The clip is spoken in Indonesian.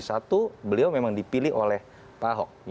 satu beliau memang dipilih oleh pak ahok